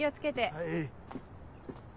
はい。